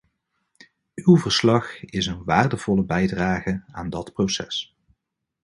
Uw verslag is een waardevolle bijdrage aan dat proces.